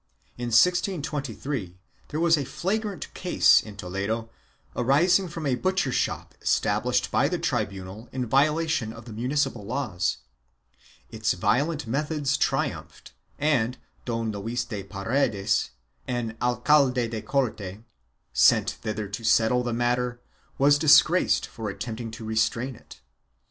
In 1623 there was a flagrant case in Toledo, arising from a butcher shop established by the tribunal in violation of the municipal laws. Its violent methods triumphed and Don Luis de Paredes, an alcalde de corte, sent thither to settle the matter, was disgraced for attempting to restrain it.